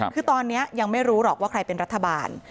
คือตอนนี้ยังไม่รู้หรอกว่าใครเป็นรัฐบาล